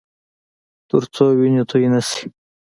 ترڅو وینې تویې نه شي